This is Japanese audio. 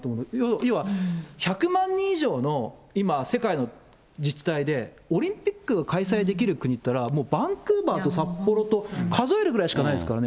要は１００万人以上の、今、世界の自治体で、オリンピックが開催できる国っていったら、バンクーバーと札幌と、数えるぐらいしかないですからね。